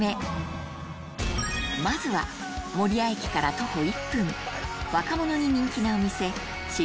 まずは守谷駅から徒歩１分若者に人気なお店６